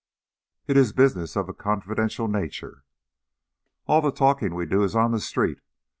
"It is business of a confidential nature." "All the talking we do is on the street.